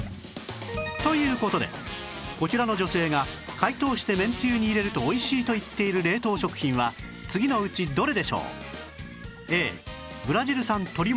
という事でこちらの女性が解凍してめんつゆに入れると美味しいと言っている冷凍食品は次のうちどれでしょう？